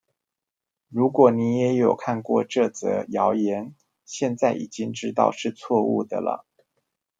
如果你也有看過這則謠言，現在已經知道是錯誤的了